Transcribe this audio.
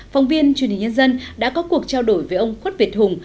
phóng viên truyền hình nhân dân đã có cuộc trao đổi với ông khuất việt hùng